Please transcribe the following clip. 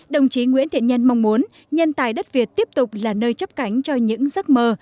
đồng chí nguyễn thiện nhân mong muốn nhân tài đất việt tiếp tục là nơi chấp cánh cho những giấc mơ